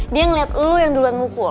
dia ngelihat lo yang duluan mukul